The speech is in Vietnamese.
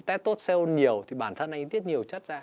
tết tốt seo nhiều thì bản thân anh tiết nhiều chất ra